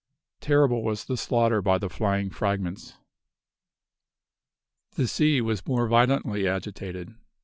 Terrible was the slaughter by the flying fragments. The sea was more violently agitated.